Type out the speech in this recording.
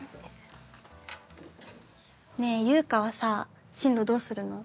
ねえゆうかはさ進路どうするの？